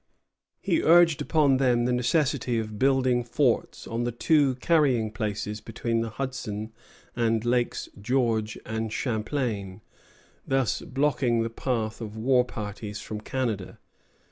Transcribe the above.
] He urged upon them the necessity of building forts on the two carrying places between the Hudson and Lakes George and Champlain, thus blocking the path of war parties from Canada.